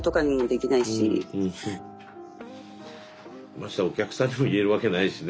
ましてやお客さんにも言えるわけないしね。